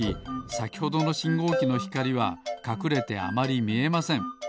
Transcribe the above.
さきほどのしんごうきのひかりはかくれてあまりみえません。